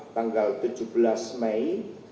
tanggal tujuh belas mei dua ribu dua puluh empat